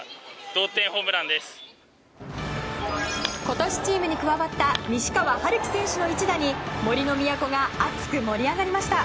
今年チームに加わった西川遥輝選手の一打に杜の都が熱く盛り上がりました。